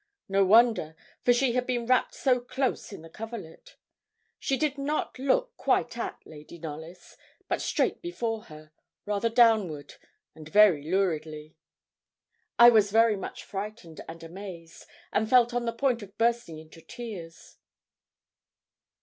No wonder, for she had been wrapped so close in the coverlet. She did not look quite at Lady Knollys, but straight before her, rather downward, and very luridly. I was very much frightened and amazed, and felt on the point of bursting into tears.